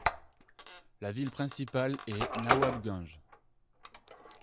La ville principale est Nawabganj.